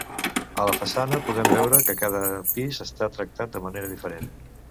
A la façana podem veure que cada pis està tractat de manera diferent.